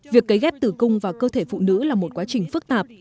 việc cấy ghép tử cung vào cơ thể phụ nữ là một quá trình phức tạp